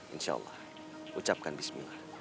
insya allah ucapkan bismillah